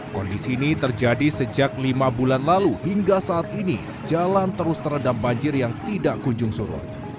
kondisi ini terjadi sejak lima bulan lalu hingga saat ini jalan terus terendam banjir yang tidak kunjung surut